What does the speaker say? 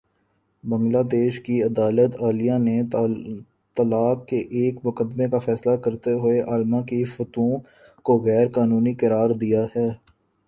بنگلہ دیش کی عدالتِ عالیہ نے طلاق کے ایک مقدمے کا فیصلہ کرتے ہوئے علما کے فتووں کو غیر قانونی قرار دیا ہے